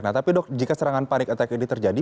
nah tapi dok jika serangan panic attack ini terjadi